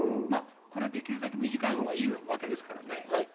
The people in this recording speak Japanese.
できるだけ短いほうがいいわけですから。